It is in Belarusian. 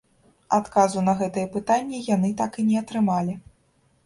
Адказу на гэтае пытанне яны так і не атрымалі.